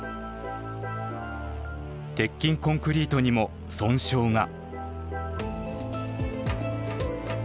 鉄筋コンクリートにも損傷が。